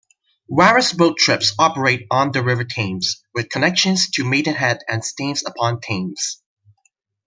Various boat trips operate on the River Thames, with connections to Maidenhead and Staines-upon-Thames.